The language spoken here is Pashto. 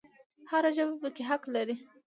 هر ژبه پکې حق لري